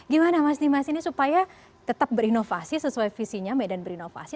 gimana mas dimas ini supaya tetap berinovasi sesuai visinya medan berinovasi